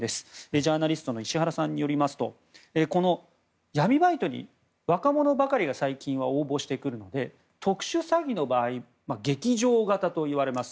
ジャーナリストの石原さんによりますとこの闇バイトに若者ばかりが最近応募してくるので特殊詐欺の場合劇場型といわれます。